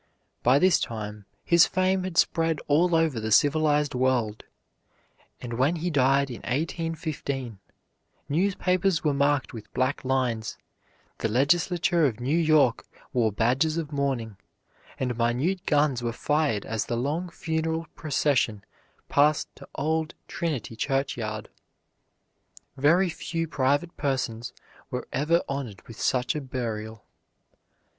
By this time his fame had spread all over the civilized world, and when he died, in 1815, newspapers were marked with black lines; the legislature of New York wore badges of mourning; and minute guns were fired as the long funeral procession passed to old Trinity churchyard. Very few private persons were ever honored with such a burial.